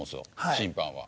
審判は。